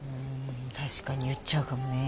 確かに言っちゃうかもね。